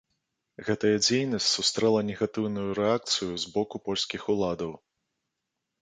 Гэтая дзейнасць сустрэла негатыўную рэакцыю з боку польскіх уладаў.